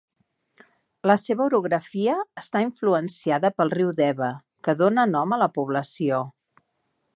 La seva orografia està influenciada pel riu Deva, que dóna nom a la població.